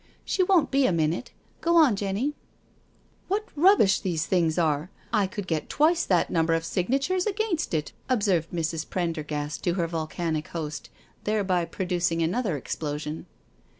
*' She w^n't be a minute — go on, Jenny/' " What rubbish these things are — I could get twice that number of signatures against it/* observed Mrs. Prendergast to her volcanic host, thereby producing another explosion.